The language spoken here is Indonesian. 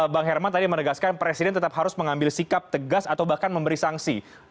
bang herman tadi menegaskan presiden tetap harus mengambil sikap tegas atau bahkan memberi sanksi